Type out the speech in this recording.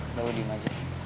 udah udah diam aja